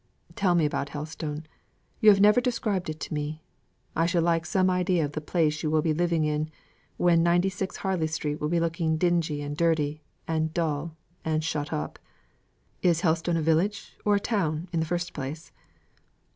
"Tell me about Helstone. You have never described it to me. I should like to have some idea of the place you will be living in, when ninety six Harley Street will be looking dingy and dirty, and dull, and shut up. Is Helstone a village, or a town, in the first place?"